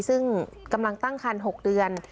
ซึ่งกำลังตั้งคัน๖เดือน